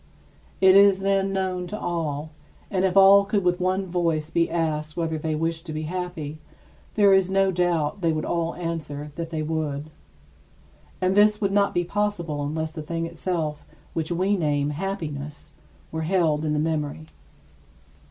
It is, then, known to all; and if all could with one voice be asked whether they wished to be happy, there is no doubt they would all answer that they would. And this would not be possible unless the thing itself, which we name "happiness," were held in the memory.